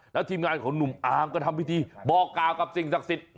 แล้วทีมงานของหนุ่มอาร์มก็ทำพิธีบอกกล่าวกับสิ่งศักดิ์สิทธิ์